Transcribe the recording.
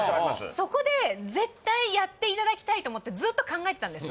そこで絶対やっていただきたいと思ってずっと考えてたんです